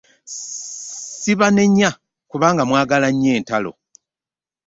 Ssibanenya kubanga mwagala nnyo entalo.